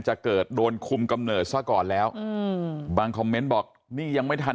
จะเกิดโดนคุมกำเนิดซะก่อนแล้วอืมบางคอมเมนต์บอกนี่ยังไม่ทัน